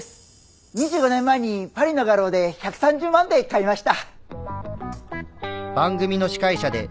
２５年前にパリの画廊で１３０万で買いました。